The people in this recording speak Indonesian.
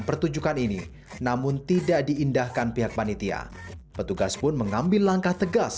pertunjukan ini namun tidak diindahkan pihak panitia petugas pun mengambil langkah tegas